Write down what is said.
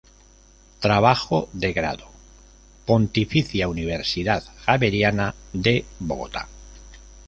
Trabajo de Grado, Pontificia Universidad Javeriana de Bogotá.